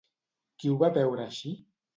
Qui ho va veure així?